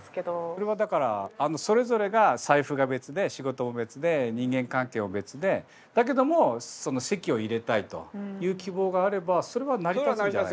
それはだからそれぞれが財布が別で仕事も別で人間関係も別でだけども籍を入れたいという希望があればそれは成り立つんじゃない？